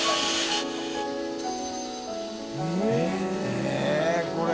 えっこれ。